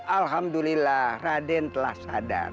alhamdulillah raden telah sadar